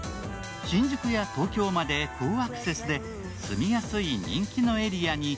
新宿や東京まで好アクセスで住みやすい人気のエリアに。